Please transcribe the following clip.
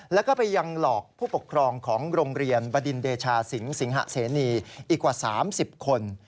แล้วก็ไปยังหลอกผู้ปกครองของโรงเรียนบดินเดชาสิงสิงหะเสนีอีกกว่า๓๐คน